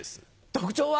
特徴は？